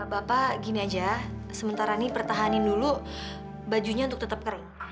bapak gini aja sementara ini pertahanin dulu bajunya untuk tetap kering